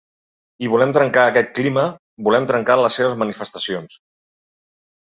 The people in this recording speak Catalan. I volem trencar aquest clima, volem trencar les seves manifestacions.